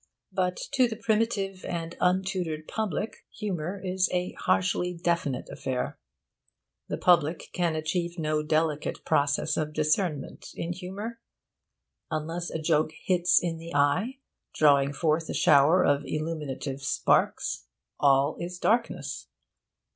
But to the primitive and untutored public, humour is a harshly definite affair. The public can achieve no delicate process of discernment in humour. Unless a joke hits in the eye, drawing forth a shower of illuminative sparks, all is darkness.